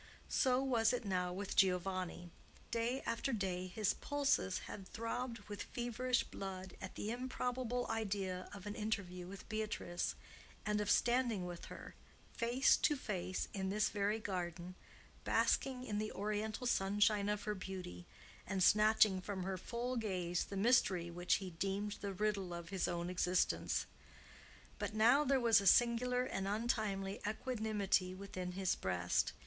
So was it now with Giovanni. Day after day his pulses had throbbed with feverish blood at the improbable idea of an interview with Beatrice, and of standing with her, face to face, in this very garden, basking in the Oriental sunshine of her beauty, and snatching from her full gaze the mystery which he deemed the riddle of his own existence. But now there was a singular and untimely equanimity within his breast.